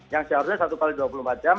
yang seharusnya satu x dua puluh empat jam